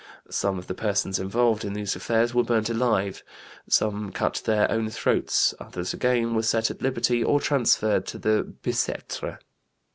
Some of the persons involved in these affairs were burned alive; some cut their own throats; others again were set at liberty or transferred to the Bicêtre.